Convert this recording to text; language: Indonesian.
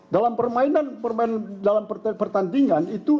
dalam pertandingan itu